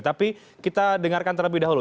tapi kita dengarkan terlebih dahulu